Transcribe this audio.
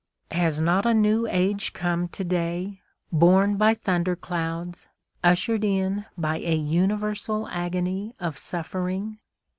Has not a new age come to day, borne by thunder clouds, ushered in by a universal agony of suffering?